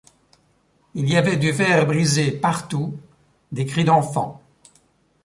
Il y avait du verre brisé partout, des cris d' enfants.